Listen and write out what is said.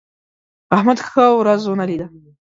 احمد ښه ورځ ونه لیده.